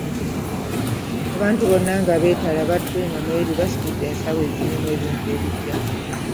Abantu bonna nga beetala badda eno n'eri era nga basitudde ensawo ezijudde ebintu ebipya.